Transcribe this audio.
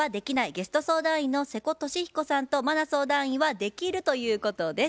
ゲスト相談員の瀬古利彦さんと茉奈相談員は「できる」ということです。